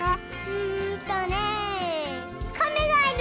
うんとねかめがいる！